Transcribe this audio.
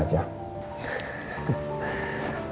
makasih banyak ya nggak